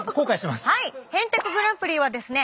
「へんてこ★グランプリ」はですね